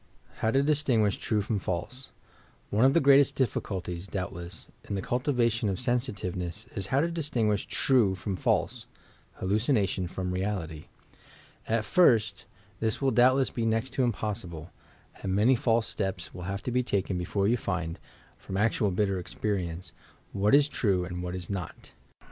HOW TO DISTINCUTSH TRUE FROM FALSE One of the greatest difBeuIties, doubtless, in the cul tivation of sensitiveness, is how to distinguish true from false — hallucination from reality. At first, this will doubtless be next to impossible, and many false steps THE CULTIVATION OF SENSITIVENESS 165 will have to be taken before you find, — from actual bitter esperienf^e, — what is true and what is not.